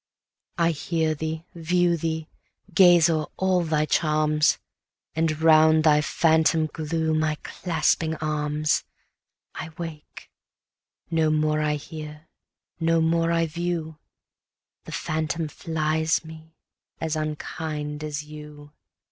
I hear thee, view thee, gaze o'er all thy charms, And round thy phantom glue my clasping arms. I wake: no more I hear, no more I view, The phantom flies me, as unkind as you.